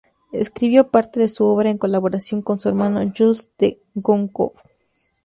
Escribió parte de su obra en colaboración con su hermano, Jules de Goncourt.